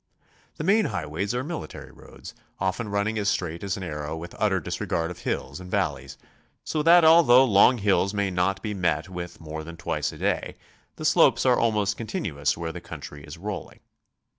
The main highways are military roads, often run ning as straight as an arrow with utter disregard of hills and valleys, so that although long hills may not be met with more than twice a day, the slopes are almost continuous where the country is rolling.